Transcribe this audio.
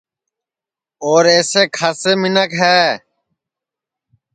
اور اِیسے کھاسے منکھ ہے